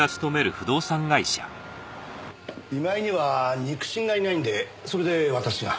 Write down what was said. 今井には肉親がいないんでそれで私が。